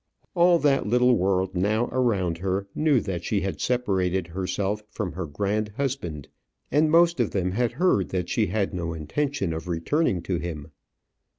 All that little world now around her knew that she had separated herself from her grand husband; and most of them had heard that she had no intention of returning to him.